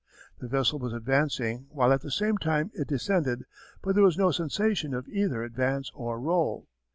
The vessel was advancing while at the same time it descended, but there was no sensation of either advance or roll.